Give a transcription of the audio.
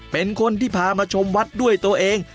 เป็นคนที่พามาชมวัดด้วยตัวเอง